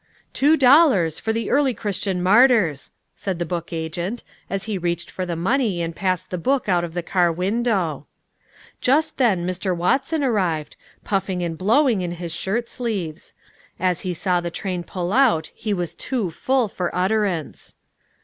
"Two dollars, for the 'Early Christian Martyrs,'" said the book agent, as he reached for the money and passed the book out of the car window. Just then Mr. Watson arrived, puffing and blowing, in his shirt sleeves. As he saw the train pull out he was too full for utterance.